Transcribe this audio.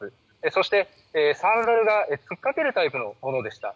そして、サンダルはつっかけるタイプのものでした。